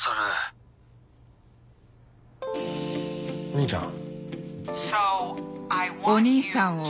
お兄ちゃん？